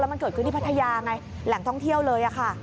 มันเกิดขึ้นที่พัทยาไงแหล่งท่องเที่ยวเลยค่ะ